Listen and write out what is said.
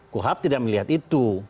kuhab tidak melihat itu